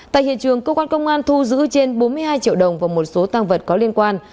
tại hiện trường cơ quan công an thu giữ trên bốn mươi hai triệu đồng và một số tăng vật có liên quan